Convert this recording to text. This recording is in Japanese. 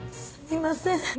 すみません